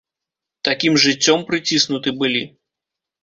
Такім жыццём прыціснуты былі.